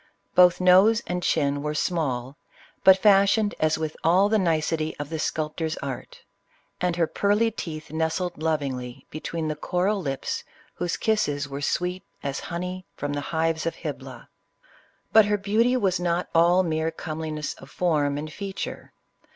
Both nose and chin were small, but fashioned as with all the nicety of the sculptor's art; and her pearly teeth nestled lovingly between the coral lips whose kisses were sweet as honey from the hives of Hybla. But her beauty was not all mere comeliness of form and feature.